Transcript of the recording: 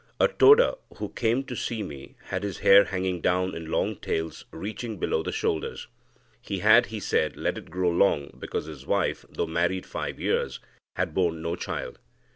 A Toda who came to see me had his hair hanging down in long tails reaching below the shoulders. He had, he said, let it grow long because his wife, though married five years, had borne no child.